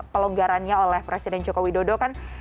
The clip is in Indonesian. pelonggarannya oleh presiden jokowi dodo kan